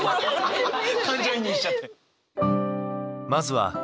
感情移入しちゃって。